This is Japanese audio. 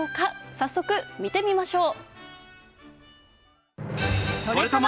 早速、見てみましょう。